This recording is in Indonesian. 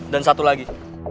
dan satu lagi